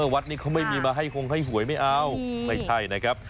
วัดนี้เขาไม่มีมาให้คงให้หวยไม่เอาไม่ใช่นะครับ